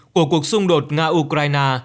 của cuộc xung đột nga ukraine